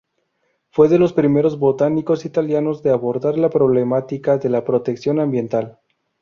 Fue de los primeros botánicos italianos de abordar la problemática de la protección ambiental.